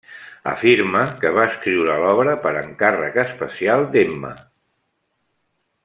Afirma que va escriure l'obra per encàrrec especial d'Emma.